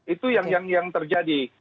itu yang terjadi